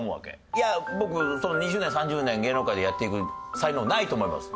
いや僕２０年３０年芸能界でやっていく才能ないと思います。